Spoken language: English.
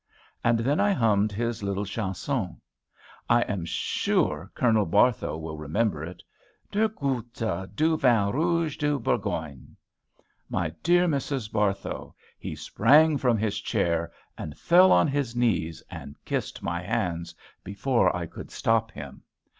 and then I hummed his little chanson, I am sure Colonel Barthow will remember it, "Deux gouttes du vin rouge du Bourgogne." My dear Mrs. Barthow, he sprang from his chair, and fell on his knees, and kissed my hands, before I could stop him.